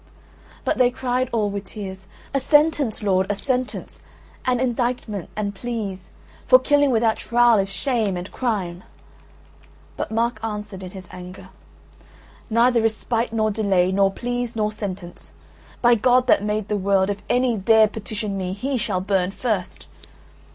But they cried all, with tears: "A sentence, lord, a sentence; an indictment and pleas; for killing without trial is shame and crime." But Mark answered in his anger: "Neither respite, nor delay, nor pleas, nor sentence. By God that made the world, if any dare petition me, he shall burn first!"